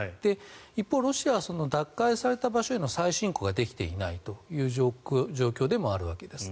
一方、ロシアは奪回された場所への再侵攻ができていない状況でもあるわけです。